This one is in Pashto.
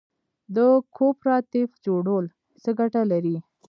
د کوپراتیف جوړول څه ګټه لري؟